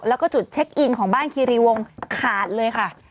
แล้วก็จุดเช็คอินของบ้านคีรีวงขาดเลยค่ะ